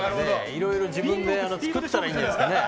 いろいろ自分で作ったらいいんじゃないですかね。